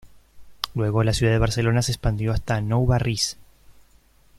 Luego la ciudad de Barcelona se expandió hasta Nou Barris.